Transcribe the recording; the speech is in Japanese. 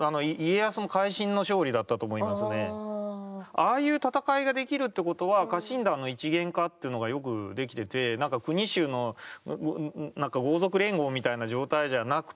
ああいう戦いができるってことは家臣団の一元化っていうのがよくできてて何か国衆の何か豪族連合みたいな状態じゃなくて。